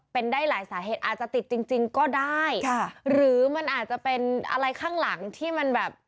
เป็นได้หลายสาเหตุอาจจะติดจริงจริงก็ได้ค่ะหรือมันอาจจะเป็นอะไรข้างหลังที่มันแบบ